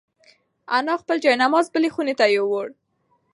انا خپل جاینماز بلې خونې ته یووړ.